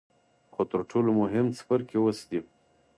خو تر ټولو مهم څپرکی اوس دی.